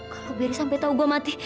kalau biar sampai tahu gue mati